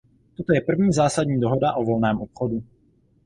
Toto je první zásadní dohoda o volném obchodu.